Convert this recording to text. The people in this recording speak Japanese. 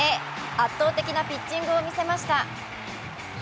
圧倒的なピッチングを見せました。